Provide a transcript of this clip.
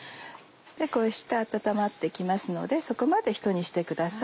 こうして温まって来ますのでそこまでひと煮してください。